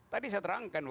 tadi saya terangkan bahwa